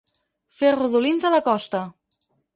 Fer rodolins a la costa.